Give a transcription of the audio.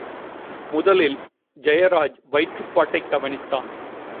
முதலில் ஜெயராஜ் வயிற்றுப்பாட்டைக் கவனித்தான்.